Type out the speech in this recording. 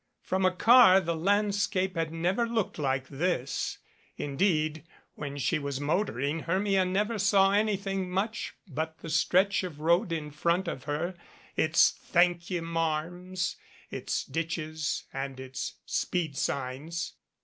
From a car the landscape had never looked like this. Indeed, when she was motoring, Hermia never saw anything much but the stretch of road in front of her, its "thank ye marms," its ditches and its speed signs.